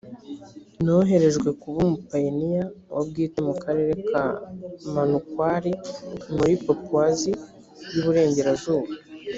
noherejwe kuba umupayiniya wa bwite mu karere ka manokwari muri papouasie y i burengerazuba